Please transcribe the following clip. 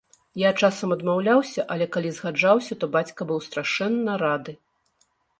Я часам адмаўляўся, але калі згаджаўся, то бацька быў страшэнна рады.